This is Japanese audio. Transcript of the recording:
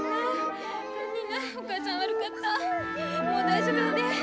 もう大丈夫やで。